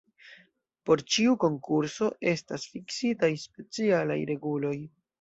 Por ĉiu konkurso estas fiksitaj specialaj reguloj.